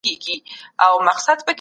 سالم ذهن روغتیا نه ځنډوي.